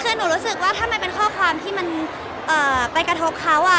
คือหนูรู้สึกว่าถ้ามันเป็นข้อความที่มันไปกระทบเขา